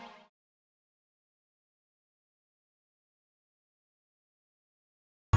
kayaknya dia sudah tuh ngeluh nglutan